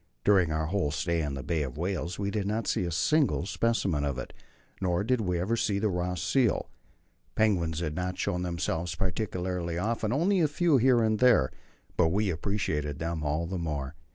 During our whole stay in the Bay of Whales we did not see a single specimen of it. Nor did we ever see the Ross seal. Penguins had not shown themselves particularly often, only a few here and there; but we appreciated them all the more.